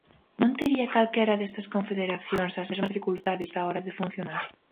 Non tería calquera destas Confederacións as mesmas dificultades á hora de funcionar?